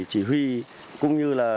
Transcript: chỉ huy cũng như là